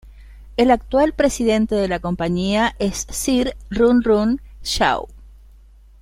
El actual presidente de la compañía es Sir Run Run Shaw.